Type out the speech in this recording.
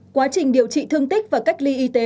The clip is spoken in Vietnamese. quá trình điều trị thương tích và cách ly y tế